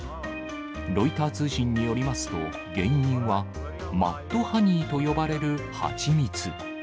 ロイター通信によりますと、原因は、マッドハニーと呼ばれる蜂蜜。